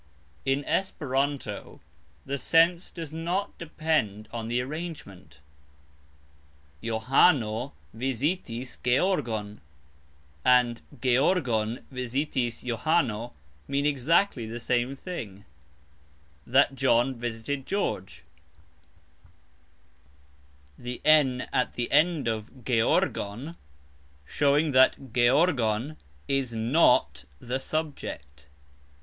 ] In Esperanto the sense does not depend on the arrangement "Johano vizitis Georgon" and "Georgon vizitis Johano" mean exactly the same thing, that John visited George, the "n" at the end of "Georgon" showing that "Georgon" is not the subject.